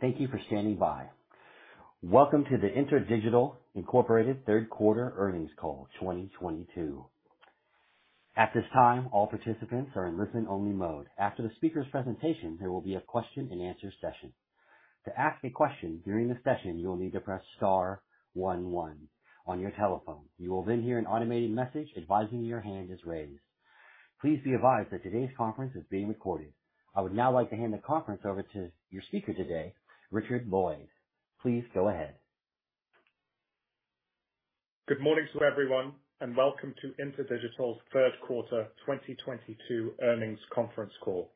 Thank you for standing by. Welcome to the InterDigital, Inc. third quarter earnings call 2022. At this time, all participants are in listen only mode. After the speaker's presentation, there will be a question and answer session. To ask a question during the session, you will need to press star one one on your telephone. You will then hear an automated message advising your hand is raised. Please be advised that today's conference is being recorded. I would now like to hand the conference over to your speaker today, Richard Lloyd. Please go ahead. Good morning to everyone, and welcome to InterDigital's third quarter 2022 earnings conference call.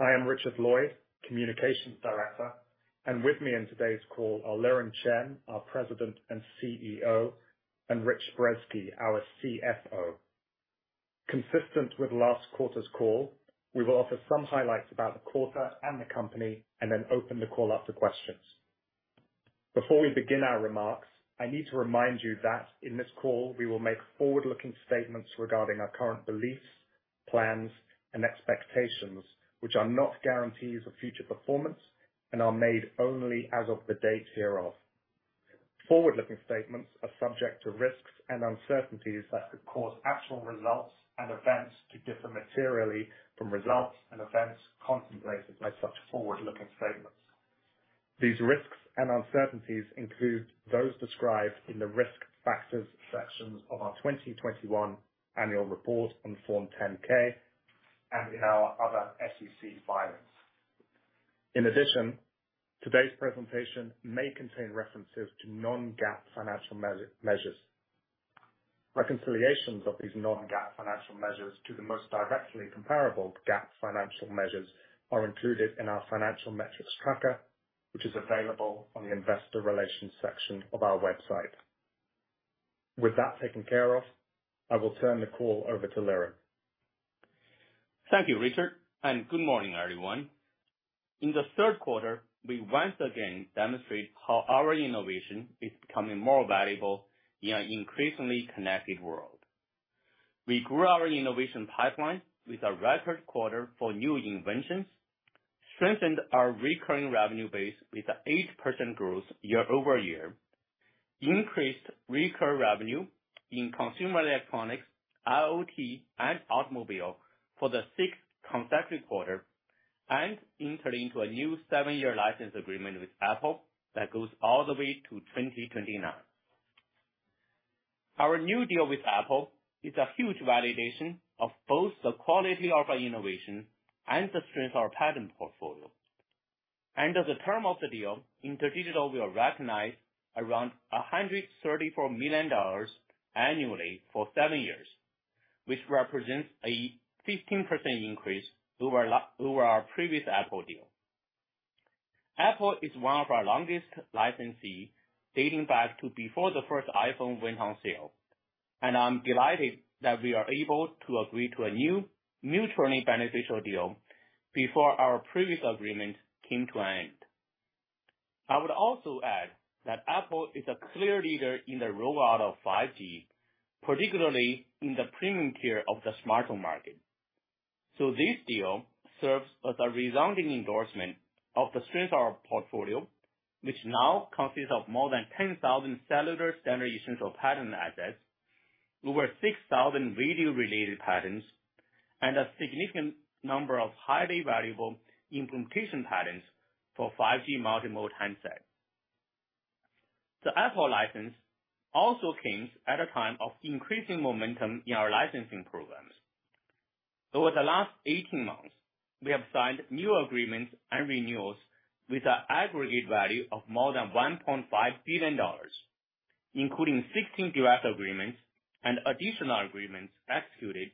I am Richard Lloyd, Communications Director, and with me in today's call are Liren Chen, our President and CEO, and Rich Brezski, our CFO. Consistent with last quarter's call, we will offer some highlights about the quarter and the company and then open the call up to questions. Before we begin our remarks, I need to remind you that in this call we will make forward-looking statements regarding our current beliefs, plans, and expectations, which are not guarantees of future performance and are made only as of the date hereof. Forward-looking statements are subject to risks and uncertainties that could cause actual results and events to differ materially from results and events contemplated by such forward-looking statements. These risks and uncertainties include those described in the Risk Factors sections of our 2021 annual report on Form 10-K and in our other SEC filings. In addition, today's presentation may contain references to non-GAAP financial measures. Reconciliations of these non-GAAP financial measures to the most directly comparable GAAP financial measures are included in our financial metrics tracker, which is available on the investor relations section of our website. With that taken care of, I will turn the call over to Liren. Thank you, Richard, and good morning, everyone. In the third quarter, we once again demonstrate how our innovation is becoming more valuable in an increasingly connected world. We grew our innovation pipeline with a record quarter for new inventions, strengthened our recurring revenue base with an 8% growth year-over-year, increased recurring revenue in consumer electronics, IoT, and automobile for the sixth consecutive quarter, and entered into a new seven-year license agreement with Apple that goes all the way to 2029. Our new deal with Apple is a huge validation of both the quality of our innovation and the strength of our patent portfolio. As a term of the deal, InterDigital will recognize around $134 million annually for seven years, which represents a 15% increase over our previous Apple deal. Apple is one of our longest licensee, dating back to before the first iPhone went on sale. I'm delighted that we are able to agree to a new mutually beneficial deal before our previous agreement came to an end. I would also add that Apple is a clear leader in the rollout of 5G, particularly in the premium tier of the smartphone market. This deal serves as a resounding endorsement of the strength of our portfolio, which now consists of more than 10,000 cellular standard essential patent assets, over 6,000 radio-related patents, and a significant number of highly valuable implementation patents for 5G multi-mode handset. The Apple license also comes at a time of increasing momentum in our licensing programs. Over the last 18 months, we have signed new agreements and renewals with an aggregate value of more than $1.5 billion, including 16 direct agreements and additional agreements executed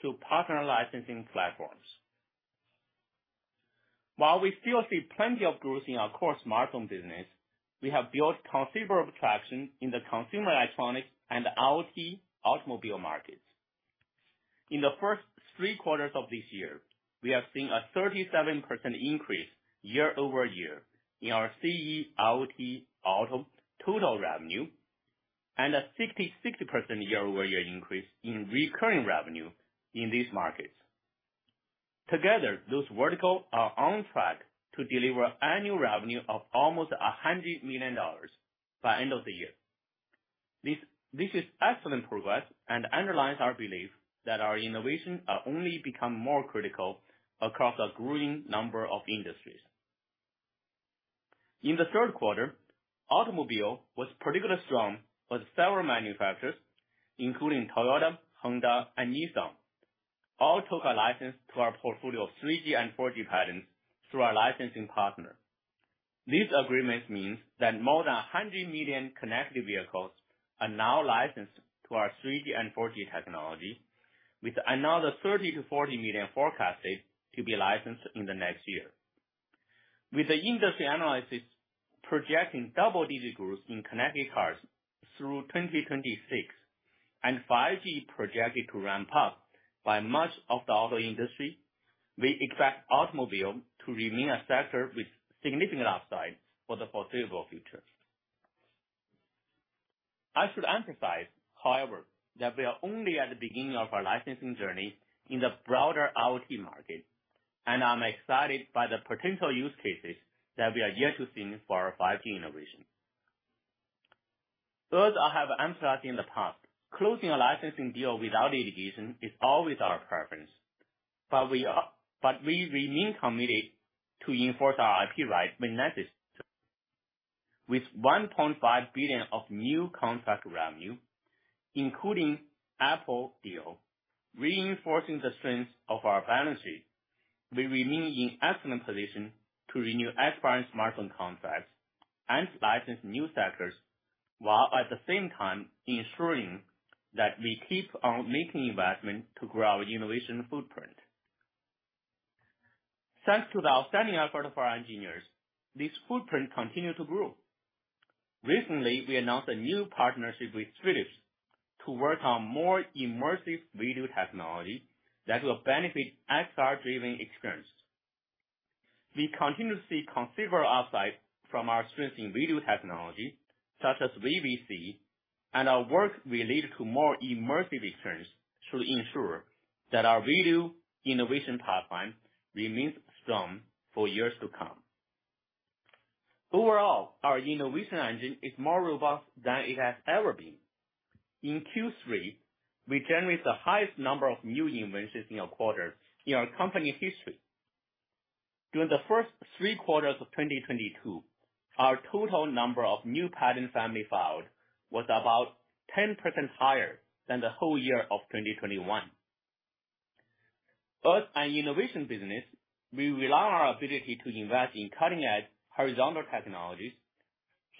through partner licensing platforms. While we still see plenty of growth in our core smartphone business, we have built considerable traction in the consumer electronics and IoT automobile markets. In the first three quarters of this year, we have seen a 37% increase year-over-year in our CE IoT auto total revenue and a 66% year-over-year increase in recurring revenue in these markets. Together, those verticals are on track to deliver annual revenue of almost $100 million by the end of the year. This is excellent progress and underlines our belief that our innovations are only becoming more critical across a growing number of industries. In the third quarter, automobile was particularly strong, with several manufacturers, including Toyota, Honda, and Nissan, all took a license to our portfolio of 3G and 4G patents through our licensing partner. This agreement means that more than 100 million connected vehicles are now licensed to our 3G and 4G technology, with another 30-40 million forecasted to be licensed in the next year. With the industry analysis projecting double-digit growth in connected cars through 2026, and 5G projected to ramp up by much of the auto industry, we expect automobile to remain a sector with significant upside for the foreseeable future. I should emphasize, however, that we are only at the beginning of our licensing journey in the broader IoT market, and I'm excited by the potential use cases that we are yet to see for our 5G innovation. As I have emphasized in the past, closing a licensing deal without litigation is always our preference. We remain committed to enforce our IP rights when necessary. With $1.5 billion of new contract revenue, including Apple deal, reinforcing the strength of our balance sheet, we remain in excellent position to renew expiring smartphone contracts and license new sectors, while at the same time ensuring that we keep on making investment to grow our innovation footprint. Thanks to the outstanding effort of our engineers, this footprint continue to grow. Recently, we announced a new partnership with Philips to work on more immersive video technology that will benefit XR-driven experiences. We continue to see considerable upside from our strengths in video technology such as VVC, and our work related to more immersive experience should ensure that our video innovation pipeline remains strong for years to come. Overall, our innovation engine is more robust than it has ever been. In Q3, we generate the highest number of new inventions in a quarter in our company history. During the first three quarters of 2022, our total number of new patent family filed was about 10% higher than the whole year of 2021. As an innovation business, we rely on our ability to invest in cutting-edge horizontal technologies,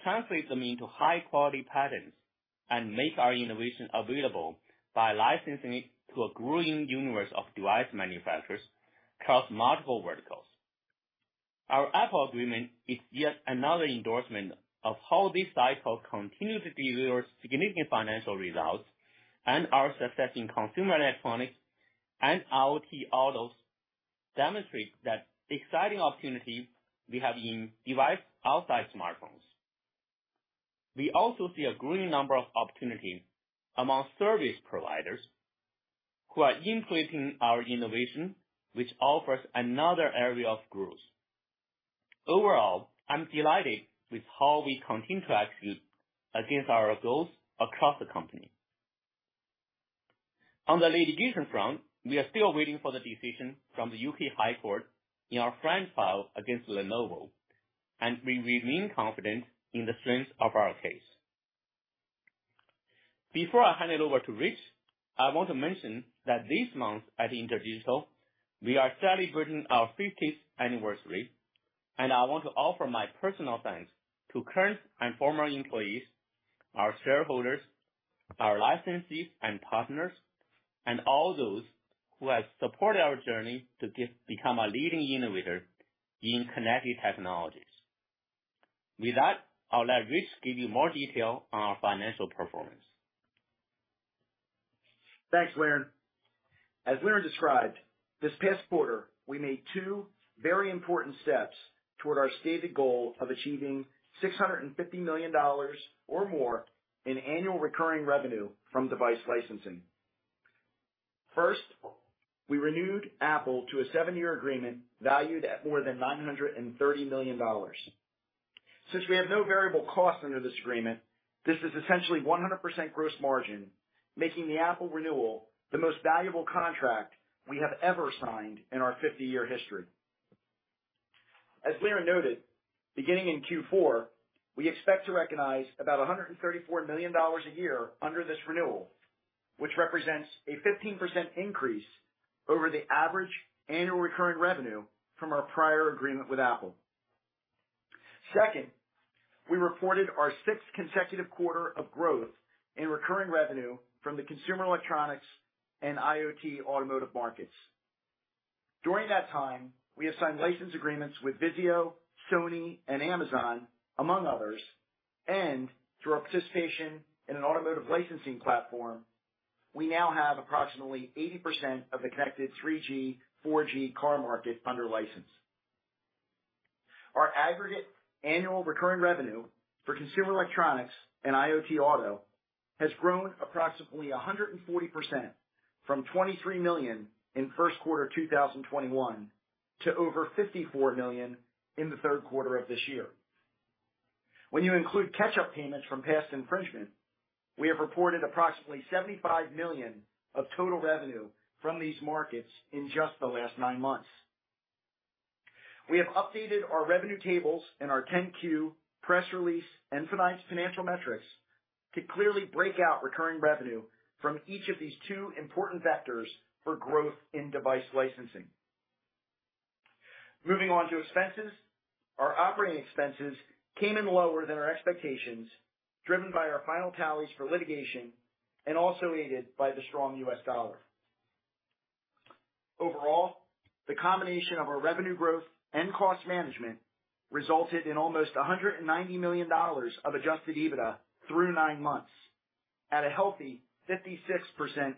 translate them into high quality patents, and make our innovation available by licensing it to a growing universe of device manufacturers across multiple verticals. Our Apple agreement is yet another endorsement of how this cycle continue to deliver significant financial results and our success in consumer electronics and IoT autos demonstrate that the exciting opportunity we have in device outside smartphones. We also see a growing number of opportunities among service providers who are increasing our innovation, which offers another area of growth. Overall, I'm delighted with how we continue to execute against our goals across the company. On the litigation front, we are still waiting for the decision from the U.K. High Court in our FRAND file against Lenovo, and we remain confident in the strength of our case. Before I hand it over to Rich, I want to mention that this month at InterDigital, we are celebrating our 50th anniversary, and I want to offer my personal thanks to current and former employees, our shareholders, our licensees and partners, and all those who have supported our journey to become a leading innovator in connected technologies. With that, I'll let Rich give you more detail on our financial performance. Thanks, Liren. As Liren described, this past quarter, we made two very important steps toward our stated goal of achieving $650 million or more in annual recurring revenue from device licensing. First, we renewed Apple to a seven-year agreement valued at more than $930 million. Since we have no variable costs under this agreement, this is essentially 100% gross margin, making the Apple renewal the most valuable contract we have ever signed in our 50-year history. As Liren noted, beginning in Q4, we expect to recognize about $134 million a year under this renewal, which represents a 15% increase over the average annual recurring revenue from our prior agreement with Apple. Second, we reported our sixth consecutive quarter of growth in recurring revenue from the consumer electronics and IoT automotive markets. During that time, we have signed license agreements with Vizio, Sony, and Amazon, among others, and through our participation in an automotive licensing platform, we now have approximately 80% of the connected 3G 4G car market under license. Our aggregate annual recurring revenue for consumer electronics and IoT auto has grown approximately 140% from $23 million in first quarter 2021 to over $54 million in the third quarter of this year. When you include catch-up payments from past infringement, we have reported approximately $75 million of total revenue from these markets in just the last nine months. We have updated our revenue tables and our 10-Q press release and tonight's financial metrics to clearly break out recurring revenue from each of these two important vectors for growth in device licensing. Moving on to expenses. Our operating expenses came in lower than our expectations, driven by our final tallies for litigation and also aided by the strong U.S. dollar. Overall, the combination of our revenue growth and cost management resulted in almost $190 million of adjusted EBITDA through nine months at a healthy 56%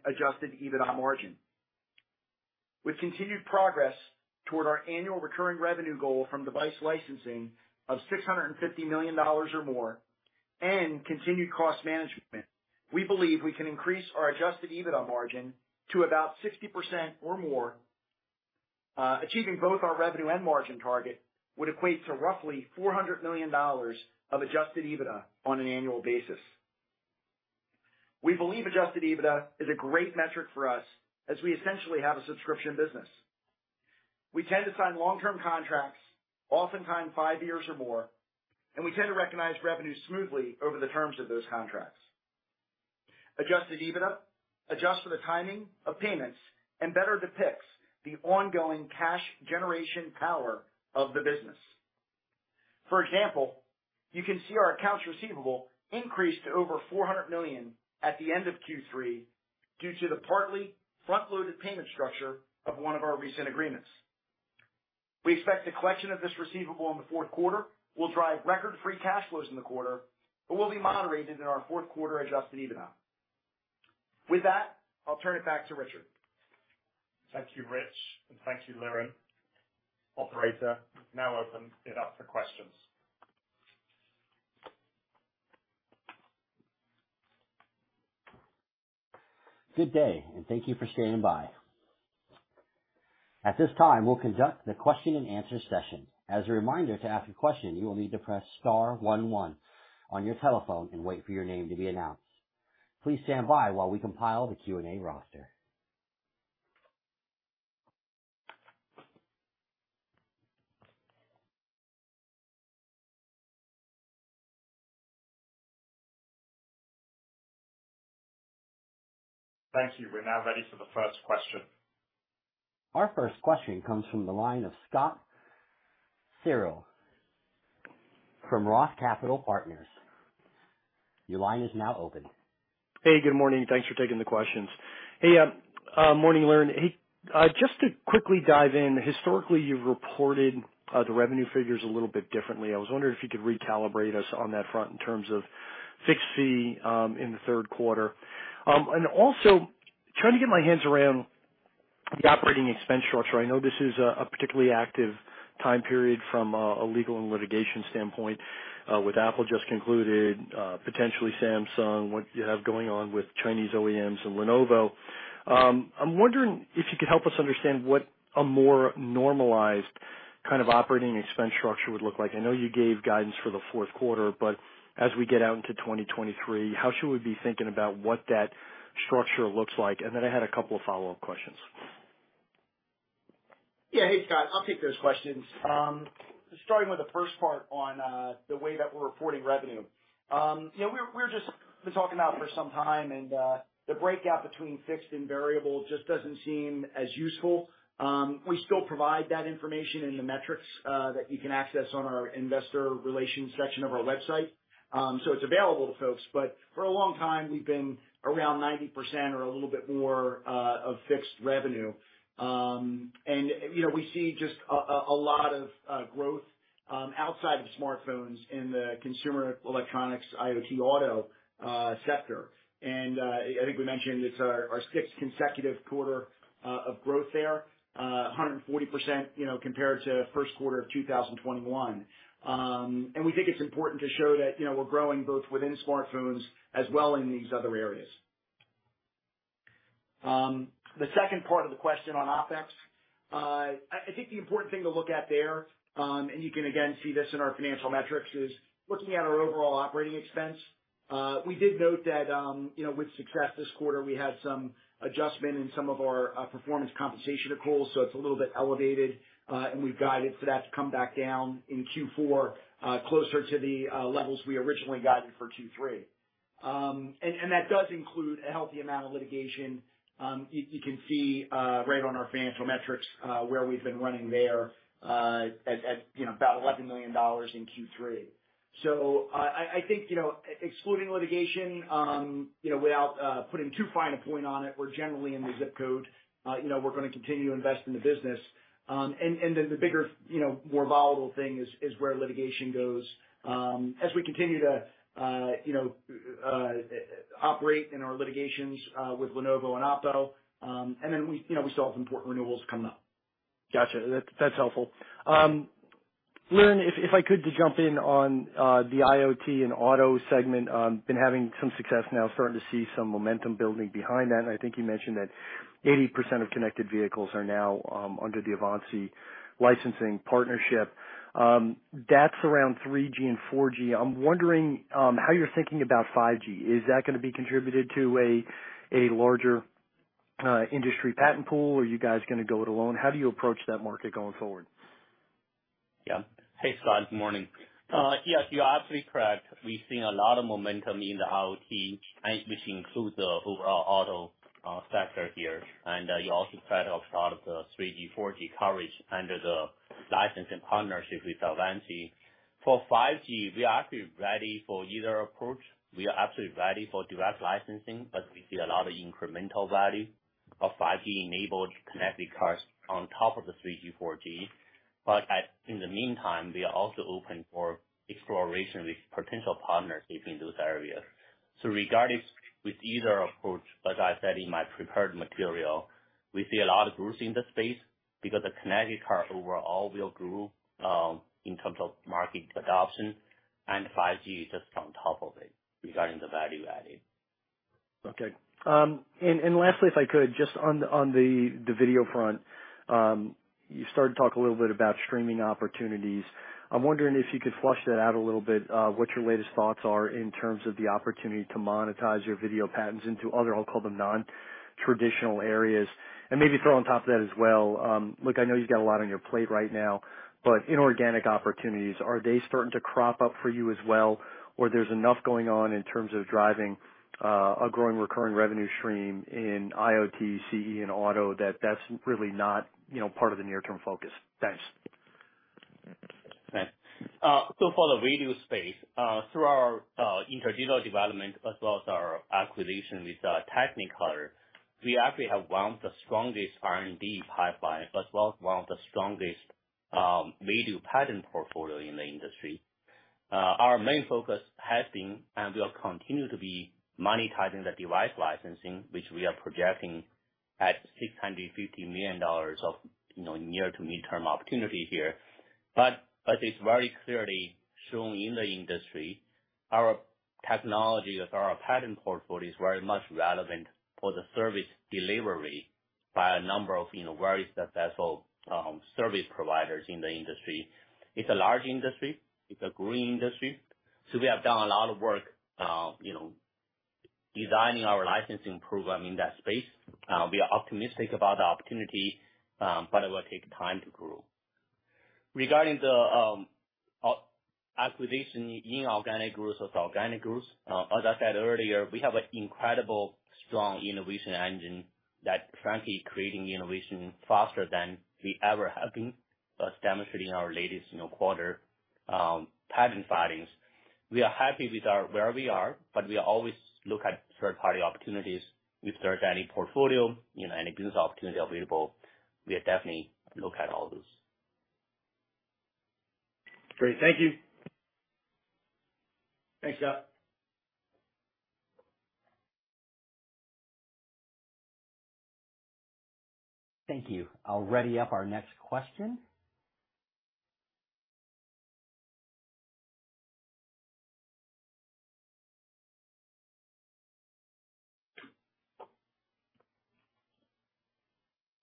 adjusted EBITDA margin. With continued progress toward our annual recurring revenue goal from device licensing of $650 million or more and continued cost management, we believe we can increase our adjusted EBITDA margin to about 60% or more. Achieving both our revenue and margin target would equate to roughly $400 million of adjusted EBITDA on an annual basis. We believe adjusted EBITDA is a great metric for us as we essentially have a subscription business. We tend to sign long-term contracts, oftentimes five years or more, and we tend to recognize revenue smoothly over the terms of those contracts. Adjusted EBITDA adjusts for the timing of payments and better depicts the ongoing cash generation power of the business. For example, you can see our accounts receivable increased to over $400 million at the end of Q3 due to the partly front-loaded payment structure of one of our recent agreements. We expect the collection of this receivable in the fourth quarter will drive record free cash flows in the quarter, but will be moderated in our fourth quarter adjusted EBITDA. With that, I'll turn it back to Richard. Thank you, Rich, and thank you, Liren. Operator, we now open it up for questions. Good day, and thank you for standing by. At this time, we'll conduct the question-and-answer session. As a reminder, to ask a question, you will need to press star one one on your telephone and wait for your name to be announced. Please stand by while we compile the Q&A roster. Thank you. We're now ready for the first question. Our first question comes from the line of Scott Searle from ROTH Capital Partners. Your line is now open. Hey, good morning. Thanks for taking the questions. Hey, morning, Liren. Hey, just to quickly dive in, historically, you've reported the revenue figures a little bit differently. I was wondering if you could recalibrate us on that front in terms of fixed fee in the third quarter. Also trying to get my hands around the operating expense structure. I know this is a particularly active time period from a legal and litigation standpoint, with Apple just concluded, potentially Samsung, what you have going on with Chinese OEMs and Lenovo. I'm wondering if you could help us understand what a more normalized kind of operating expense structure would look like. I know you gave guidance for the fourth quarter, but as we get out into 2023, how should we be thinking about what that structure looks like? I had a couple of follow-up questions. Yeah. Hey, Scott, I'll take those questions. Starting with the first part on the way that we're reporting revenue. You know, we're just been talking about for some time, and the breakout between fixed and variable just doesn't seem as useful. We still provide that information in the metrics that you can access on our investor relations section of our website. So it's available to folks, but for a long time, we've been around 90% or a little bit more of fixed revenue. You know, we see just a lot of growth outside of smartphones in the consumer electronics IoT auto sector. I think we mentioned it's our sixth consecutive quarter of growth there, 140%, you know, compared to first quarter of 2021. We think it's important to show that, you know, we're growing both within smartphones as well in these other areas. The second part of the question on OpEx, I think the important thing to look at there, and you can again see this in our financial metrics, is looking at our overall operating expense. We did note that, you know, with success this quarter, we had some adjustment in some of our performance compensation accruals, so it's a little bit elevated. We've guided for that to come back down in Q4, closer to the levels we originally guided for Q3. That does include a healthy amount of litigation. You can see right on our financial metrics where we've been running there at you know about $11 million in Q3. I think you know excluding litigation you know without putting too fine a point on it we're generally in the zip code. You know we're gonna continue to invest in the business. Then the bigger you know more volatile thing is where litigation goes as we continue to you know operate in our litigations with Lenovo and OPPO and then we you know still have some important renewals coming up. Gotcha. That's helpful. Liren, if I could just jump in on the IoT and auto segment. Been having some success now, starting to see some momentum building behind that. I think you mentioned that 80% of connected vehicles are now under the Avanci licensing partnership. That's around 3G and 4G. I'm wondering how you're thinking about 5G. Is that gonna be contributed to a larger industry patent pool, or are you guys gonna go it alone? How do you approach that market going forward? Yeah. Hey, Scott. Good morning. Yes, you are absolutely correct. We've seen a lot of momentum in the IoT and which includes the overall auto sector here. You also heard of a lot of the 3G, 4G coverage under the licensing partnership with Avanci. For 5G, we are actually ready for either approach. We are absolutely ready for direct licensing, but we see a lot of incremental value of 5G-enabled connected cars on top of the 3G, 4G. In the meantime, we are also open for exploration with potential partners within those areas. Regardless with either approach, as I said in my prepared material, we see a lot of growth in the space because the connected car overall will grow in terms of market adoption and 5G just on top of it regarding the value added. Okay. Lastly, if I could, just on the video front, you started to talk a little bit about streaming opportunities. I'm wondering if you could flesh that out a little bit, what your latest thoughts are in terms of the opportunity to monetize your video patents into other, I'll call them non-traditional areas. Maybe throw on top of that as well, look, I know you've got a lot on your plate right now, but inorganic opportunities, are they starting to crop up for you as well? Or there's enough going on in terms of driving a growing recurring revenue stream in IoT, CE, and auto that that's really not, you know, part of the near-term focus? Thanks. Thanks. For the video space, through our internal development as well as our acquisition with Technicolor, we actually have one of the strongest R&D pipeline as well as one of the strongest video patent portfolio in the industry. Our main focus has been, and will continue to be, monetizing the device licensing, which we are projecting at $650 million of, you know, near to mid-term opportunity here. As is very clearly shown in the industry, our technology as our patent portfolio is very much relevant for the service delivery by a number of, you know, very successful service providers in the industry. It's a large industry. It's a growing industry. We have done a lot of work, you know, designing our licensing program in that space. We are optimistic about the opportunity, but it will take time to grow. Regarding the acquisition, inorganic growth or organic growth, as I said earlier, we have an incredible strong innovation engine that frankly creating innovation faster than we ever have been, as demonstrated in our latest, you know, quarter, patent filings. We are happy with our where we are, but we are always look at third-party opportunities. If there's any portfolio, you know, any business opportunity available, we definitely look at all those. Great. Thank you. Thanks, Scott. Thank you. I'll ready up our next question.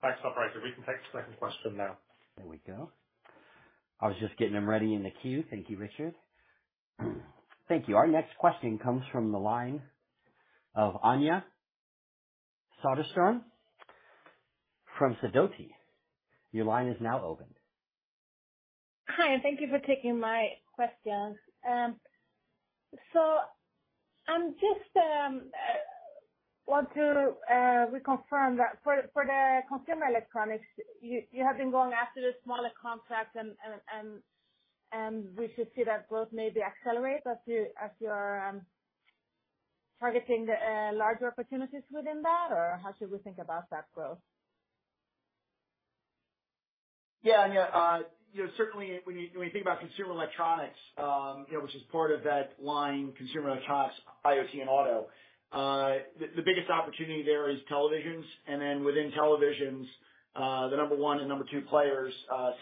Thanks, operator. We can take the second question now. There we go. I was just getting them ready in the queue. Thank you, Richard. Thank you. Our next question comes from the line of Anja Soderstrom from Sidoti. Your line is now open. Hi, thank you for taking my questions. I just want to reconfirm that for the consumer electronics, you have been going after the smaller contracts and we should see that growth maybe accelerate as you are targeting the larger opportunities within that? How should we think about that growth? Yeah, Anja, you know, certainly when you think about consumer electronics, you know, which is part of that line, consumer electronics, IoT, and auto, the biggest opportunity there is televisions. Within televisions, the number one and number two players,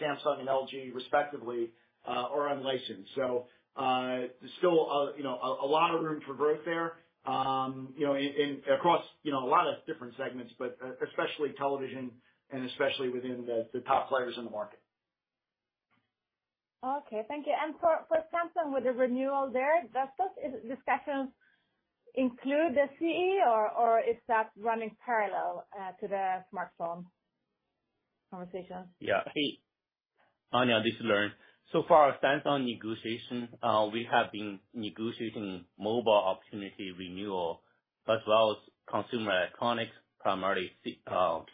Samsung and LG, respectively, are unlicensed. There's still, you know, a lot of room for growth there, you know, across, you know, a lot of different segments, but especially television and especially within the top players in the market. Okay. Thank you. For Samsung, with the renewal there, does those discussions include the CE or is that running parallel to the smartphone conversation? Hey, Anja, this is Liren. For our Samsung negotiation, we have been negotiating mobile opportunity renewal as well as consumer electronics, primarily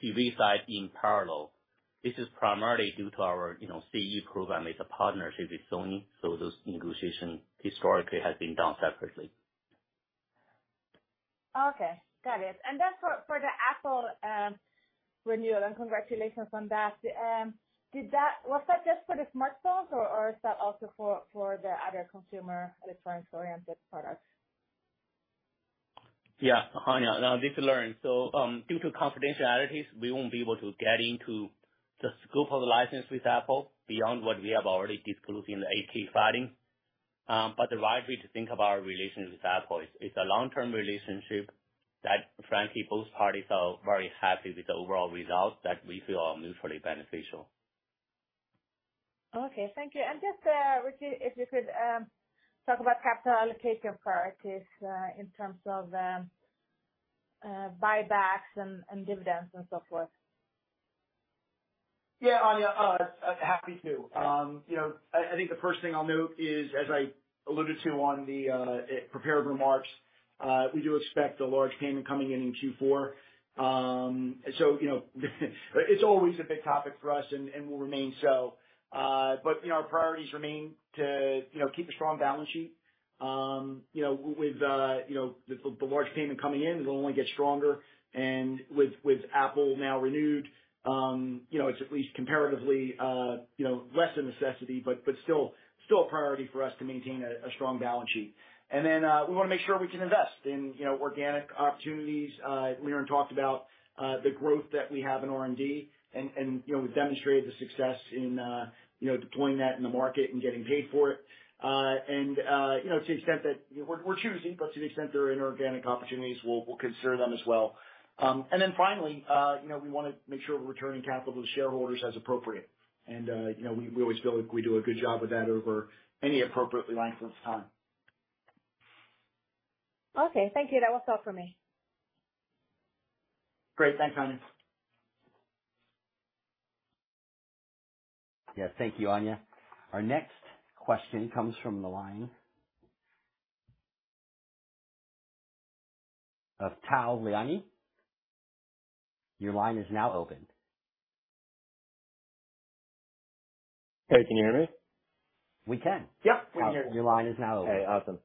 TV side in parallel. This is primarily due to our, you know, CE program is a partnership with Sony, so those negotiations historically has been done separately. Okay. Got it. For the Apple renewal, and congratulations on that. Was that just for the smartphones or is that also for the other consumer electronics-oriented products? Yeah. Anja. This is Liren. Due to confidentiality, we won't be able to get into the scope of the license with Apple beyond what we have already disclosed in the 8-K filing. The right way to think about our relationship with Apple is it's a long-term relationship that frankly both parties are very happy with the overall results that we feel are mutually beneficial. Okay, thank you. Just Rich, if you could talk about capital allocation priorities in terms of buybacks and dividends and so forth. Yeah. Anja, happy to. You know, I think the first thing I'll note is, as I alluded to on the prepared remarks, we do expect a large payment coming in in Q4. So, you know, it's always a big topic for us and will remain so. But you know, our priorities remain to keep a strong balance sheet. You know, with you know, the large payment coming in, we'll only get stronger and with Apple now renewed, you know, it's at least comparatively, you know, less a necessity, but still a priority for us to maintain a strong balance sheet. Then, we wanna make sure we can invest in you know, organic opportunities. Liren talked about the growth that we have in R&D and, you know, we've demonstrated the success in, you know, deploying that in the market and getting paid for it. To the extent there are inorganic opportunities, we'll consider them as well. Finally, you know, we wanna make sure we're returning capital to shareholders as appropriate. You know, we always feel like we do a good job with that over any appropriate length of time. Okay, thank you. That was all for me. Great. Thanks, Anja. Yeah. Thank you, Anja. Our next question comes from the line of Tal Liani. Your line is now open. Hey, can you hear me? We can. Yeah. We can hear you. Your line is now open. Okay, awesome.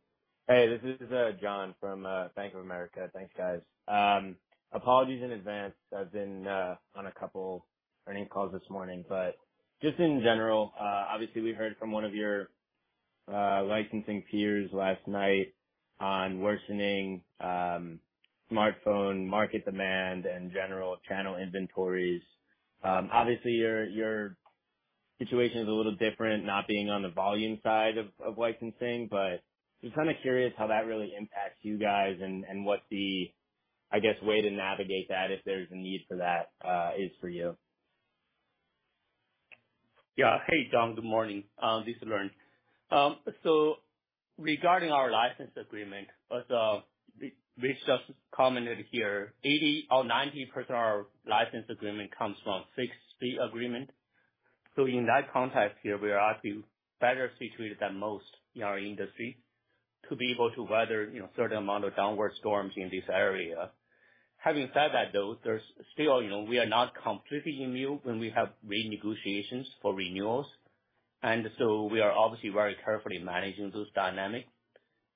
Hey, this is John from Bank of America. Thanks, guys. Apologies in advance. I've been on a couple earnings calls this morning, but just in general, obviously we heard from one of your licensing peers last night on worsening smartphone market demand and general channel inventories. Obviously your situation is a little different, not being on the volume side of licensing, but just kinda curious how that really impacts you guys and what the, I guess, way to navigate that if there's a need for that is for you. Yeah. Hey, John. Good morning. This is Liren. Regarding our license agreement, as Rich just commented here, 80% or 90% of our license agreement comes from fixed fee agreement. In that context here, we are actually better situated than most in our industry to be able to weather, you know, a certain amount of downward storms in this area. Having said that, though, there's still, you know, we are not completely immune when we have renegotiations for renewals, and we are obviously very carefully managing this dynamic.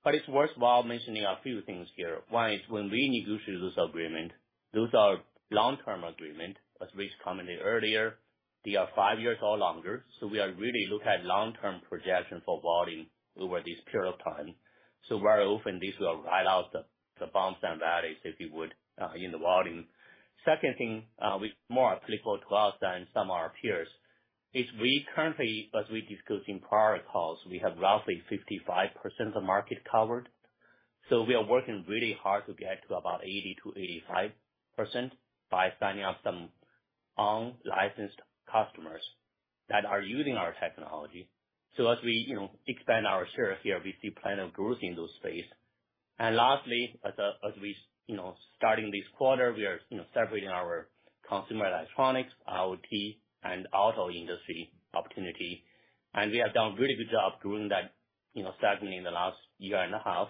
It's worthwhile mentioning a few things here. One is when we negotiate this agreement, those are long-term agreement, as Rich commented earlier. They are five years or longer, so we are really look at long-term projection for volume over this period of time. Very often these will ride out the bumps and valleys, if you would, in the volume. Second thing, which is more applicable to us than some of our peers, is we currently, as we discussed in prior calls, we have roughly 55% of market covered. We are working really hard to get to about 80%-85% by signing up some unlicensed customers that are using our technology. As we, you know, expand our share here, we see plenty of growth in that space. Lastly, as we, you know, starting this quarter, we are, you know, separating our consumer electronics, IoT, and auto industry opportunity. We have done a really good job doing that, you know, certainly in the last year and a half.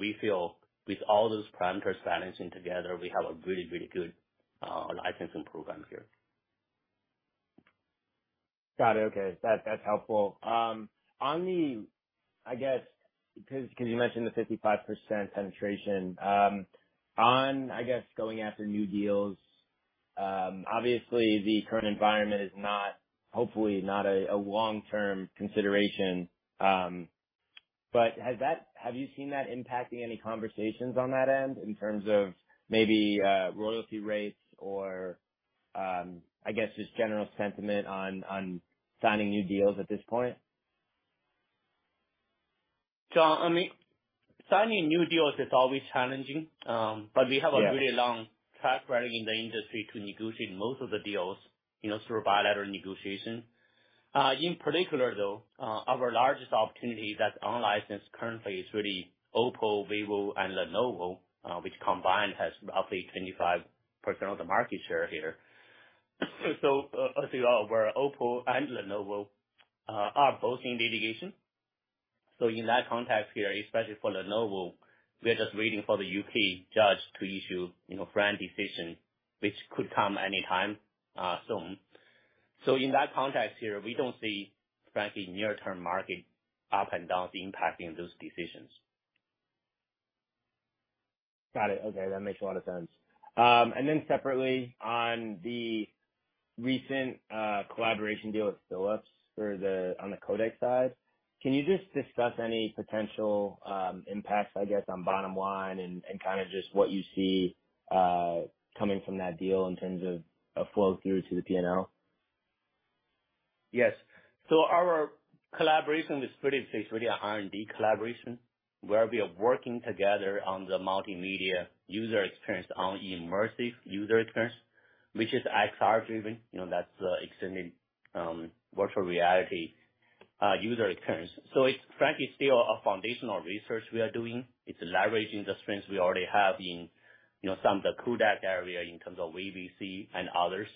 We feel with all those parameters balancing together, we have a really, really good licensing program here. Got it. Okay. That's helpful. On the, I guess, 'cause you mentioned the 55% penetration, on I guess, going after new deals, obviously the current environment is not, hopefully not a long-term consideration. Have you seen that impacting any conversations on that end in terms of maybe royalty rates or, I guess just general sentiment on signing new deals at this point? John, I mean, signing new deals is always challenging. Yeah. We have a really long track record in the industry to negotiate most of the deals, you know, through bilateral negotiation. In particular, though, our largest opportunity that's unlicensed currently is really OPPO, Vivo, and Lenovo, which combined has roughly 25% of the market share here. As you are aware OPPO and Lenovo are both in litigation. In that context here, especially for Lenovo, we are just waiting for the U.K. judge to issue, you know, FRAND decision, which could come any time soon. In that context here, we don't see frankly near-term market ups and downs impacting those decisions. Got it. Okay. That makes a lot of sense. Then separately on the recent collaboration deal with Philips for the, on the codec side, can you just discuss any potential impacts I guess on bottom line and kind of just what you see coming from that deal in terms of a flow through to the P&L? Yes. Our collaboration with Philips is really a R&D collaboration where we are working together on the multimedia user experience on immersive user experience, which is XR driven. You know, that's extended virtual reality user experience. It's frankly still a foundational research we are doing. It's leveraging the strengths we already have in, you know, some of the codec area in terms of AVC and others.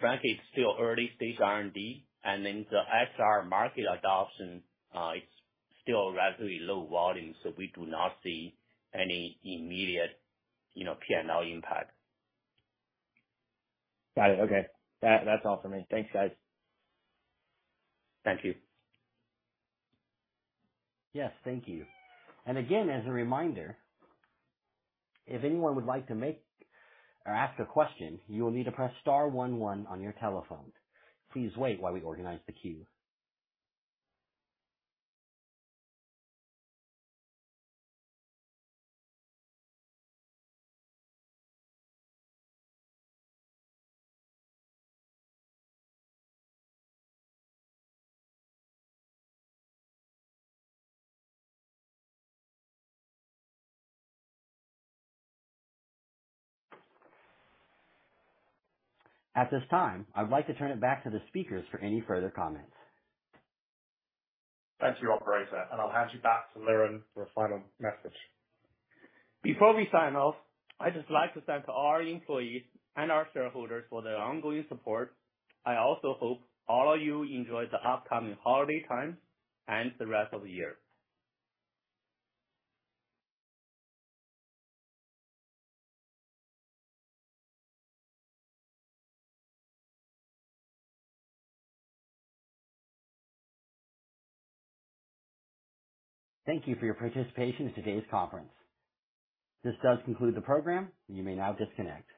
Frankly, it's still early stage R&D, and then the XR market adoption, it's still relatively low volume, so we do not see any immediate, you know, P&L impact. Got it. Okay. That's all for me. Thanks, guys. Thank you. Yes, thank you. Again as a reminder, if anyone would like to make or ask a question, you will need to press star one one on your telephone. Please wait while we organize the queue. At this time, I'd like to turn it back to the speakers for any further comments. Thanks to your operator, and I'll hand you back to Liren for a final message. Before we sign off, I'd just like to thank our employees and our shareholders for their ongoing support. I also hope all of you enjoy the upcoming holiday time and the rest of the year. Thank you for your participation in today's conference. This does conclude the program. You may now disconnect.